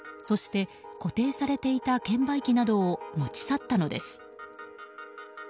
そして固定されていた券売機などを持ち去ったのです。